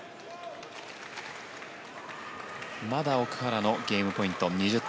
まだ奥原のゲームポイント。